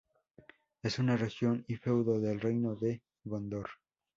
Es una región y feudo del reino de Gondor.